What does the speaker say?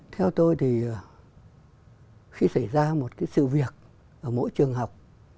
theo tôi thì khi xảy ra một cái sự việc ở mỗi trường học